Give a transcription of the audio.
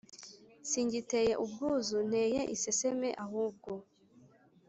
Singiteye ubwuzu Nteye iseseme ahubwo